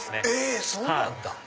そうなんだ！